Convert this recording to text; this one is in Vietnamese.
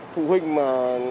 phụ huynh mà